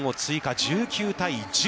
１９対１０。